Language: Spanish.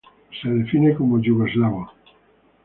Él se define como yugoslavo.